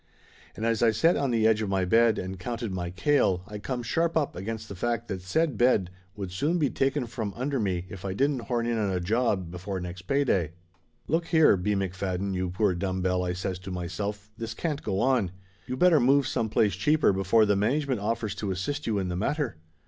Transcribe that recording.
And as I sat on the edge of my bed and counted my kale I come sharp up against the fact that said bed would soon be taken from under me if I didn't horn in on a job before next pay day. Laughter Limited 105 "Look here, B. McFadden, you poor dumb bell," I says to myself, "this can't go on. You better move some place cheaper before the management offers to as sist you in the matter.